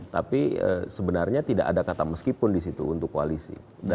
tapi sebenarnya tidak ada kata meskipun di situ untuk koalisi